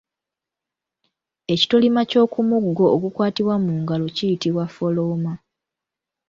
Ekitolima ky’okumuggo ogukwatibwa mu ngalo kiyitibwa ffolooma.